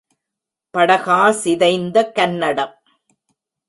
படகா சிதைந்த கன்னடம்.